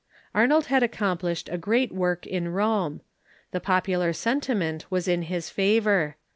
Arnold had accomplished a great work in Rome. The pop ular sentiment was in his favor.